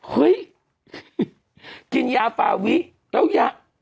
เฮ้ยกินยาฟาวิแล้วยา